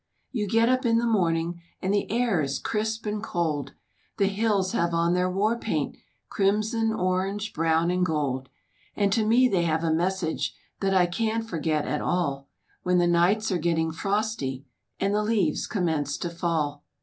You get up in the morning And the air is crisp and cold, The hills have on their war paint, Crimson, orange, brown and gold; And to me they have a message That I can't forget at all, When the nights are getting frosty And the leaves commence to fall.